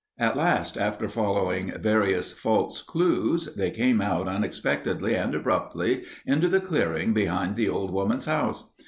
At last, after following various false clues, they came out unexpectedly and abruptly into the clearing behind the old woman's house.